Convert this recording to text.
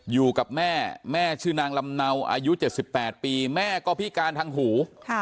อยู่กับแม่แม่ชื่อนางลำเนาอายุ๗๘ปีแม่ก็พิการทางหู